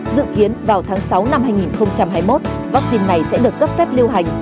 dự kiến vào tháng sáu năm hai nghìn hai mươi một vaccine này sẽ được cấp phép lưu hành